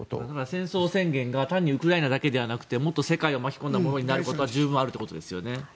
戦争宣言が単にウクライナだけではなくて世界を巻き込んだものになることは十分あるということですよね。